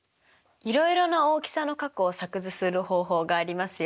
いろいろな大きさの角を作図する方法がありますよ。